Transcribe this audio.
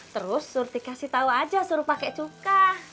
terus surti kasih tahu aja suruh pakai cuka